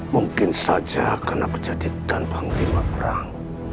mungkin saja akan aku jadikan banglima perang